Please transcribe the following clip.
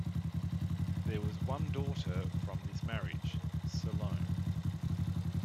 There was one daughter from this marriage, Salome.